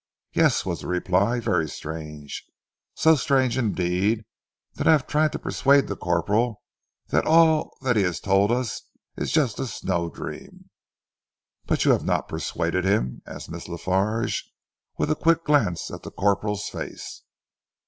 "Yes," was the reply, "very strange, so strange indeed that I have tried to persuade the corporal that all that he has told us is just a snow dream." "But you have not persuaded him?" asked Miss La Farge, with a quick glance at the corporal's face.